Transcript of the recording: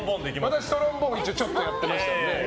私、トロンボーンちょっとやってましたので。